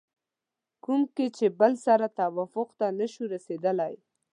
کوم کې چې بل سره توافق ته نشو رسېدلی